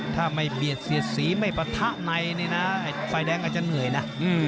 ถ้าไม่เบียดเสียดสีไม่ปะทะในนี่นะฝ่ายแดงอาจจะเหนื่อยนะ